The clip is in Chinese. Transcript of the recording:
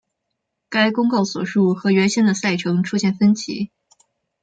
该公告所述和原先的赛程出现分歧。